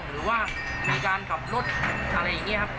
หรือว่ามีการขับรถอะไรอย่างนี้ครับ